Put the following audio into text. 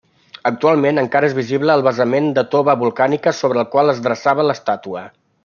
Actualment encara és visible el basament de tova volcànica sobre el qual es dreçava l'estàtua.